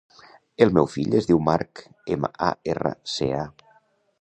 El meu fill es diu Mark: ema, a, erra, ca.